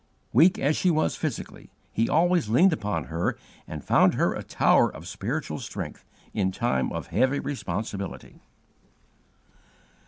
Weak as she was physically, he always leaned upon her and found her a tower of spiritual strength in time of heavy responsibility.